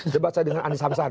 saya baca dengan andi samsan